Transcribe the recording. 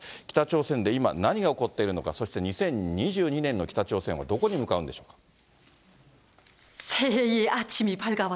北朝鮮で今、何が起こっているのか、そして２０２２年の北朝鮮はどこに向かうんでしょうか。